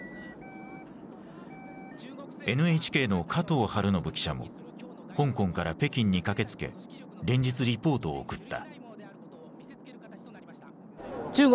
ＮＨＫの加藤青延記者も香港から北京に駆けつけ連日リポートを送った。